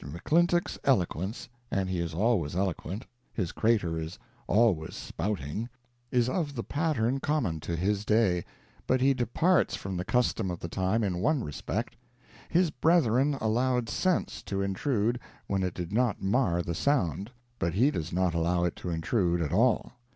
McClintock's eloquence and he is always eloquent, his crater is always spouting is of the pattern common to his day, but he departs from the custom of the time in one respect: his brethren allowed sense to intrude when it did not mar the sound, but he does not allow it to intrude at all.